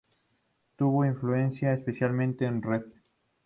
Tuvo influencia especialmente del Rev.